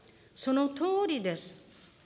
そのとおりです。